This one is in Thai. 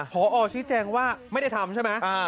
พอชี้แจงว่าไม่ได้ทำใช่ไหม